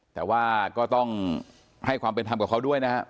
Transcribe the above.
แต่ว่าก็ต้องให้ความเป็นธรรมกับเขาด้วยนะฮะ